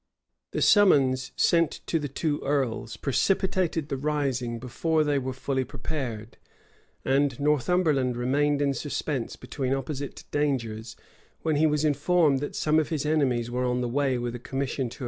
The summons sent to the two earls precipitated the rising before they were fully prepared; and Northumberland remained in suspense between opposite dangers, when he was informed that some of his enemies were on the way with a commission to arrest him.